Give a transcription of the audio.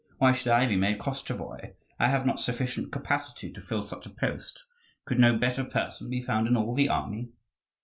Why should I be made Koschevoi? I have not sufficient capacity to fill such a post. Could no better person be found in all the army?"